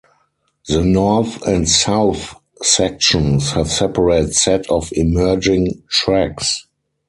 The north and south sections have separate set of emerging tracks.